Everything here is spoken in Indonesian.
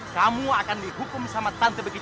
kamu akan dihukum sama tante begitu